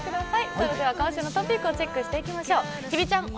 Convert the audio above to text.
それでは今週のトピックをチェックしていきましょう。